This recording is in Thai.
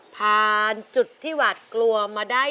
ผ่านจุดที่หวาดกลัวมาได้